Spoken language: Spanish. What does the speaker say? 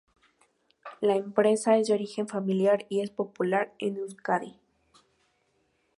La empresa es de origen familiar y es popular en Euskadi.